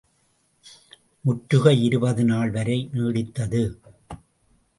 முற்றுகை இருபது நாள் வரை நீடித்தது.